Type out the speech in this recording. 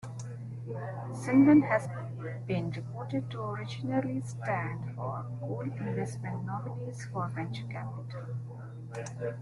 Cinven has been reported to originally stand for "Coal Investment Nominees' for Venture Capital".